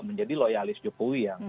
menjadi loyalis jokowi